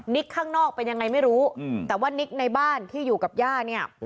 ข้างนอกเป็นยังไงไม่รู้แต่ว่านิกในบ้านที่อยู่กับย่าเนี่ย